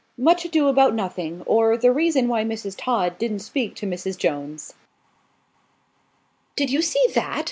MUCH ADO ABOUT NOTHING; OR, THE REASON WHY MRS. TODD DIDN'T SPEAK TO MRS. JONES. "DID you see that?"